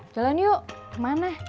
jalan yuk kemana